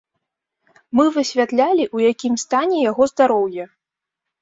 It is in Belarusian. Мы высвятлялі, у якім стане яго здароўе.